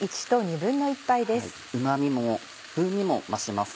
うま味も風味も増します。